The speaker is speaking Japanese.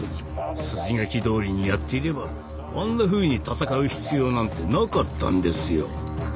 筋書きどおりにやっていればあんなふうに戦う必要なんてなかったんですよ。